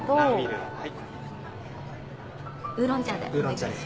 ウーロン茶で。